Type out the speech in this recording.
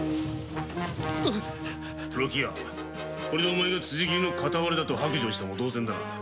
お前が辻切りの片割れと白状したのも同然だな。